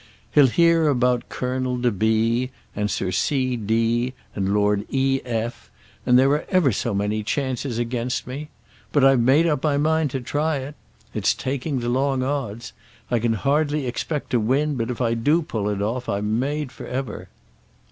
He'll hear about Colonel de B , and Sir C. D , and Lord E. F , and there are ever so many chances against me. But I've made up my mind to try it. It's taking the long odds. I can hardly expect to win, but if I do pull it off I'm made for ever!"